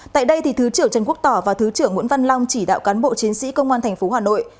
tại đây thì thứ trưởng trần quốc tỏ và thứ trưởng nguyễn văn long chỉ đạo cán bộ chiến sĩ công an thành phố hà nội